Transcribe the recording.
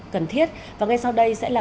cần thiết và ngay sau đây sẽ là